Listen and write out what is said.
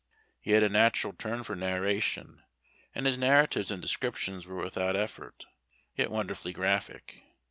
He had a natural turn for narration, and his narratives and descriptions were without effort, yet wonderfully graphic.